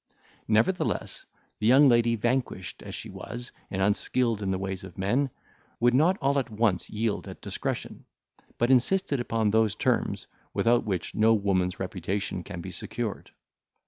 Nevertheless, the young lady, vanquished as she was, and unskilled in the ways of men, would not all at once yield at discretion; but insisted upon those terms, without which no woman's reputation can be secured.